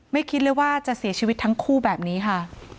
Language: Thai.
คิดเลยว่าจะเสียชีวิตทั้งคู่แบบนี้ค่ะ